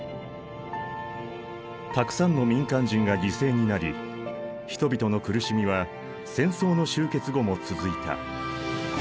たくさんの民間人が犠牲になり人々の苦しみは戦争の終結後も続いた。